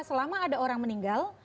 selama ada orang meninggal